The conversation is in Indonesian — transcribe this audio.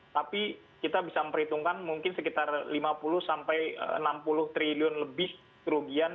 tapi kita bisa memperhitungkan mungkin sekitar lima puluh sampai enam puluh triliun lebih kerugian